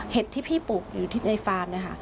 เห็ดที่พี่ปลูกอยู่ในฟาร์มนะคะ